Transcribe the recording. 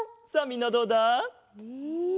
さあみんなどうだ？え？